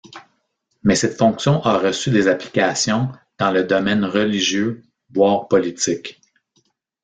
Mais cette fonction a reçu des applications dans le domaine religieux, voire politique.